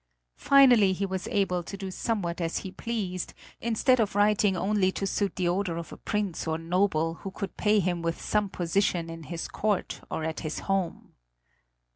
Finally he was able to do somewhat as he pleased, instead of writing only to suit the order of a prince or noble who could pay him with some position in his court or at his home.